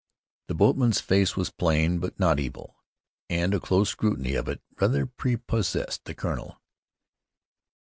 The boatman's face was plain, but not evil, and a close scrutiny of it rather prepossessed the colonel.